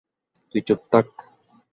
তুই চুপ থাক!